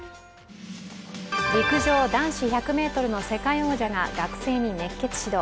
陸上男子１００ｍの世界王者が学生に熱血指導。